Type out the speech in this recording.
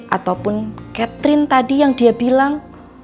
ataupun catherine tadi yang dia bilang